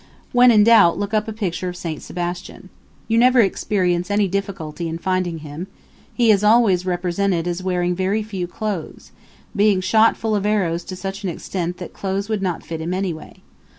When in doubt, look up a picture of Saint Sebastian. You never experience any difficulty in finding him he is always represented as wearing very few clothes, being shot full of arrows to such an extent that clothes would not fit him anyway.